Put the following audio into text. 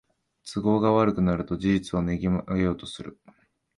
都合が悪くなると事実をねじ曲げようとする